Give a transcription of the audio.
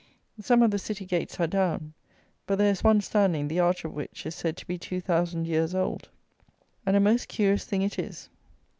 Some of the city gates are down; but there is one standing, the arch of which is said to be two thousand years old; and a most curious thing it is.